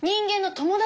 友達？